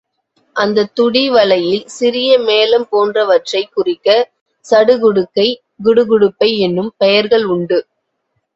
அந்தத் துடி வகையில் சிறிய மேளம் போன்றவற்றைக் குறிக்க சடுகுடுக்கை, குடுகுடுப்பை என்னும் பெயர்கள் உண்டு.